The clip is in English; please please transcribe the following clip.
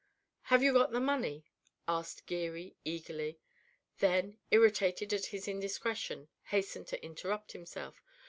"Have you got the money?" asked Geary eagerly; then, irritated at his indiscretion, hastened to interrupt himself.